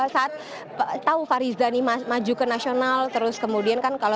saat tau fariza nih maju ke nasional terus kemudian kan